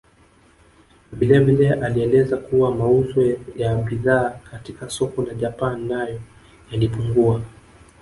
Vilevile alieleza kuwa mauzo ya bidhaa katika soko la Japan nayo yalipungua